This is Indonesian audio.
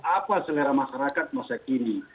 apa selera masyarakat masa kini